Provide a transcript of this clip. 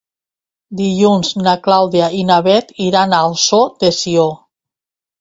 Dilluns na Clàudia i na Bet iran a Ossó de Sió.